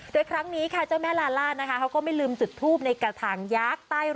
โดยครั้งนี้ค่ะเจ้าแม่ลาล่านะคะเขาก็ไม่ลืมจุดทูปในกระถางยักษ์ใต้